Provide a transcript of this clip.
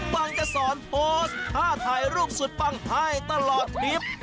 ฟังจะสอนโพสต์ท่าถ่ายรูปสุดปังให้ตลอดทริป